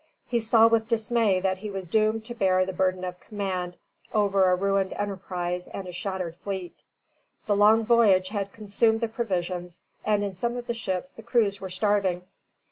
He saw with dismay that he was doomed to bear the burden of command over a ruined enterprise and a shattered fleet. The long voyage had consumed the provisions, and in some of the ships the crews were starving.